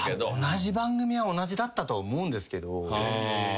同じ番組は同じだったとは思うんですけど。